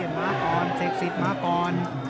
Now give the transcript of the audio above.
มาก่อนเศกศิษย์มาก่อน